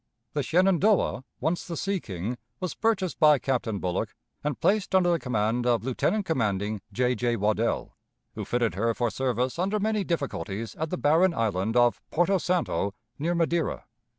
The Shenandoah, once the Sea King, was purchased by Captain Bullock, and placed under the command of Lieutenant commanding J. J. Waddell, who fitted her for service under many difficulties at the barren island of Porto Santo, near Madeira.